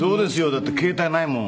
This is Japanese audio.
だって携帯ないもん。